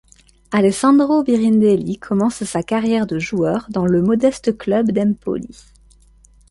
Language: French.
Alessandro Birindelli commence sa carrière de joueur dans le modeste club d'Empoli.